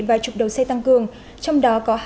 vài chục đầu xe tăng cường trong đó có